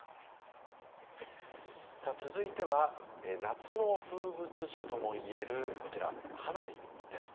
続いては夏の風物詩ともいえる花火です。